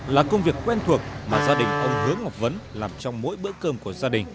là công việc quen thuộc mà gia đình ông hướng ngọc vấn làm trong mỗi bữa cơm của gia đình